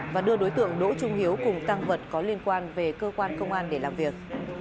và đưa đối tượng đỗ trung hiếu cùng tăng vật có liên quan về cơ quan công an để làm việc